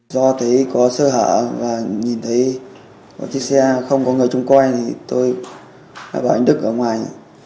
do thấy có sơ hở và nhìn thấy một chiếc xe không có người chung quay thì tôi bảo anh đức ở ngoài